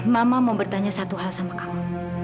mama mau bertanya satu hal sama kamu